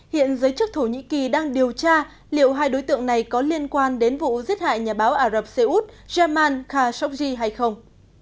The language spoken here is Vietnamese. hiện giới chức thổ nhĩ kỳ đang điều tra liệu hai đối tượng này có liên quan đến vụ giết hại nhà báo ả rập xê út jamal khashoggi hay không